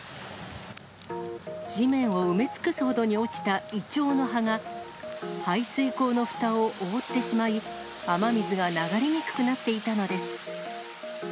地面を埋め尽くすほどに落ちたイチョウの葉が、排水溝のふたを覆ってしまい、雨水が流れにくくなっていたのです。